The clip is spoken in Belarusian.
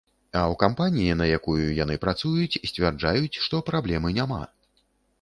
А ў кампаніі, на якую яны працуюць, сцвярджаюць, што праблемы няма.